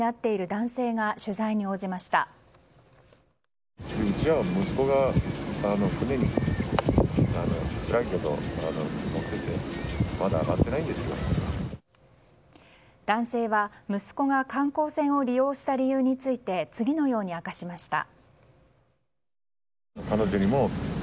男性は、息子が観光船を利用した理由について次のように明かしました。